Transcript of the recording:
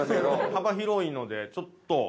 ◆幅が広いのでちょっと。